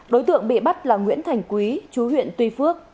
đối tượng bị bắt là nguyễn thành quý chú huyện tuy phước